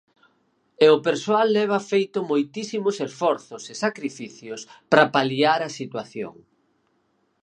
E o persoal leva feito moitísimos esforzos e sacrificios para paliar a situación.